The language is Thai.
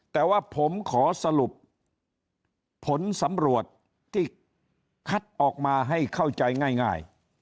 แต่ว่าผมขอสรุปผลสำรวจที่คัดออกมาให้เข้าใจง่าย